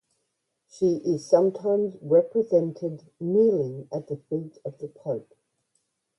She is sometimes represented kneeling at the feet of the pope.